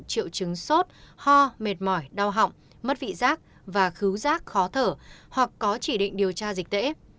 triệu chứng sốt ho mệt mỏi đau họng mất vị giác và cứu rác khó thở hoặc có chỉ định điều tra dịch tễ